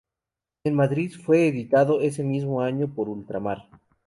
En Madrid fue editado ese mismo año por Ultramar.